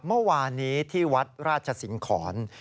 เมื่อวานนี้ที่วัดราชสิงหอน